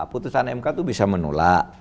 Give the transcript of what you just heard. putusan mk itu bisa menolak